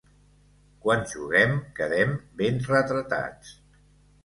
Quan juguem quedem ben retratats.